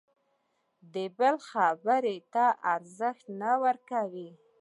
د بل خبرې ته ارزښت نه ورکوي.